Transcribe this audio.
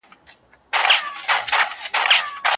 هغوی په خپلو روحونو باندي د کنټرول لپاره په معنویاتو تکیه کوله.